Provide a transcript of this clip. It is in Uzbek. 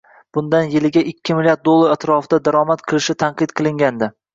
bundan yiliga ikki milliard dollar atrofida daromad qilishi tanqid qilingandi.